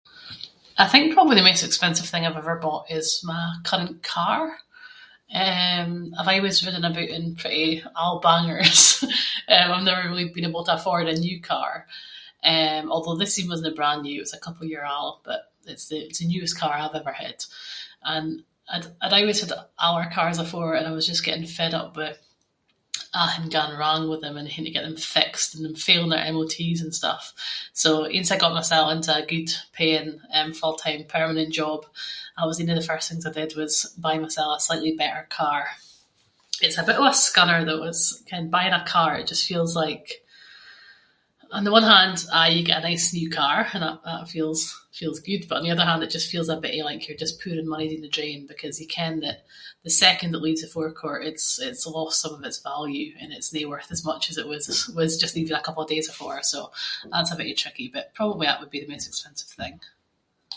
I think probably the maist expensive thing I’ve ever bought is my current car. Eh I’ve aieways been running about in pretty old bangers. Eh I’ve never really been able to afford a new car. Eh although this ain wasnae brand-new, it was a couple of year old but it’s the newest car I’ve ever had. And I’d- I’d aieways had older cars afore and I was just getting fed up with athing going wrong with them and haeing to get them fixed, and them failing their MOTs and stuff. So, once I got myself into a good paying, full-time, permanent job, I was- ain of the first things I did was by myself a slightly better car. It’s a bit of a scunner though, it’s- ken buying a car it just feels like, on the one hand, aye you get a nice new car and that- that feels good, but on the other hand it just feels a bittie like you’re just pouring money down the drain ‘cause you ken that the second it leaves the forecourt it’s- it’s lost some of its value and it’s no worth as much as it was just even a couple of days afore, so that’s a bittie tricky. But probably that would be the maist expensive thing.